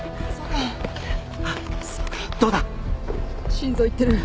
心臓いってる。